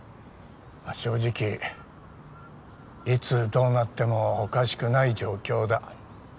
正直いつどうなってもおかしくない状況だ。